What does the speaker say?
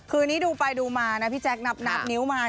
คือนี้ดูไปดูมานะพี่แคนับนิ้วมา